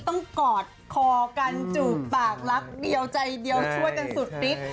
กอดคอกันจูบปากรักเดียวใจเดียวช่วยกันสุดฟิต